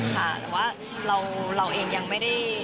ค่ะแต่ว่าเราเองยังไม่ได้